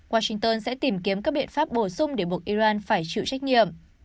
washington sẽ tìm kiếm các biện pháp bổ sung để buộc iran phải chịu trách nhiệm